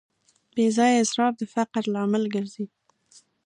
بېځایه اسراف د فقر لامل ګرځي.